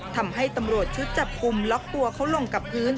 ทำให้ตำรวจชุดจับกลุ่มล็อกตัวเขาลงกับพื้น